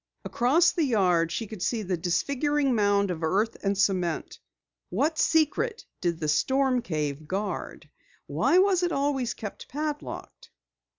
Across the yard she could see the disfiguring mound of earth and cement. What secret did the storm cave guard? Why was it always kept padlocked?